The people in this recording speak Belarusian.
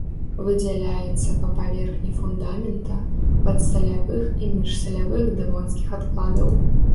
Выдзяляецца па паверхні фундамента, падсалявых і міжсалявых дэвонскіх адкладаў.